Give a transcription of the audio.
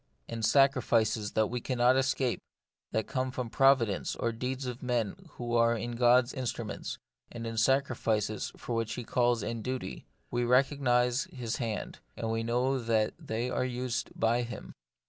In sacrifices that we cannot escape, that come from Providence or deeds of men who in this are God's instruments, and in sac rifices for which He calls in duty, we recog nise His hand, and know that they are used by Him.